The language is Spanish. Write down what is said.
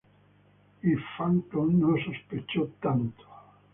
Y Plankton no se sospechó tanto.